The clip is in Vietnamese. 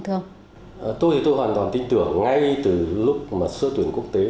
tôi hoàn toàn tin tưởng ngay từ lúc sơ tuyển quốc tế